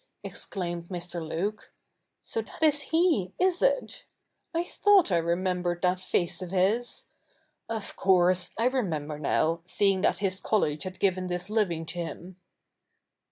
' exclaimed Mr. Luke, ' so that is he, is it ? I thought I remembered that face of his. Of course — I remember now, seeing that his college had given this living to him.'